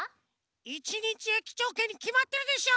一日駅長けんにきまってるでしょ！